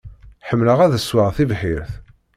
Ḥemmleɣ ad ssweɣ tibḥirt.